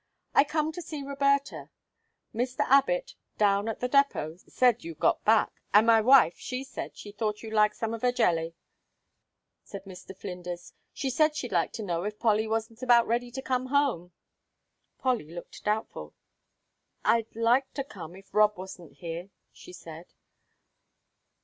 "I come to see Roberta Mr. Abbit, down to the depot, said you'd got back and my wife she said she thought you'd like some 'f her jelly," said Mr. Flinders. "She said she'd like to know if Polly wasn't about ready to come home." Polly looked doubtful. "I'd like to come, if Rob wasn't here," she said.